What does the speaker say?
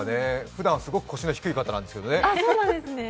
ふだんすごく腰の低い方なんですけどね。